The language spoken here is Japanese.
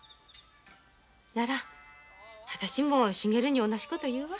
なら私も茂に同じこと言うわ。